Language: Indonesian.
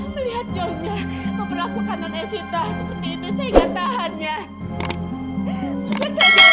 melihat nyonya memperlakukan non evita seperti itu saya nggak tahannya